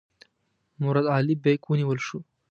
مراد علي بیګ ونیول شو.